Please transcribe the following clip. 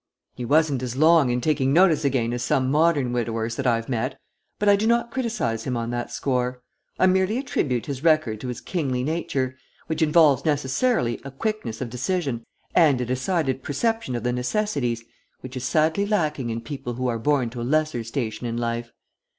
He wasn't as long in taking notice again as some modern widowers that I have met, but I do not criticise him on that score. I merely attribute his record to his kingly nature, which involves necessarily a quickness of decision and a decided perception of the necessities which is sadly lacking in people who are born to a lesser station in life.